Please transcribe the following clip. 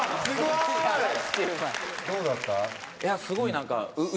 いやすごい何か。